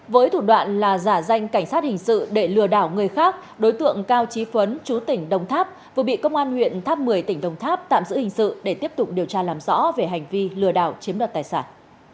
với thủ đoạn là giả danh cảnh sát hình sự để lừa đảo người khác đối tượng cao trí phấn chú tỉnh đồng tháp vừa bị công an huyện tháp một mươi tỉnh đồng tháp tạm giữ hình sự để tiếp tục điều tra làm rõ về hành vi lừa đảo chiếm đoạt tài sản